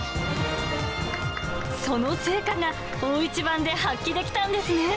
その成果が大一番で発揮できたんですね。